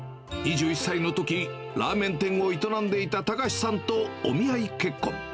２１歳のとき、ラーメン店を営んでいた孝さんとお見合い結婚。